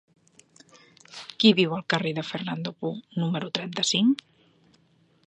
Qui viu al carrer de Fernando Poo número trenta-cinc?